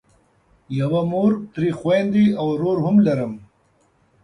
یوه مور درې خویندې او ورور هم لرم.